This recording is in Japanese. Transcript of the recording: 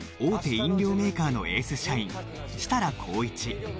飲料メーカーのエース社員設楽紘一